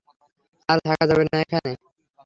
আর থাকা যাবে না এখানে।